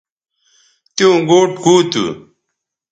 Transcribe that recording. تیوں گوٹ کُو تھو